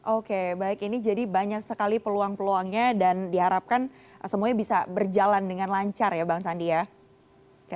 oke baik ini jadi banyak sekali peluang peluangnya dan diharapkan semuanya bisa berjalan dengan lancar ya bang sandi ya